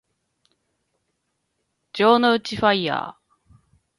城之内ファイアー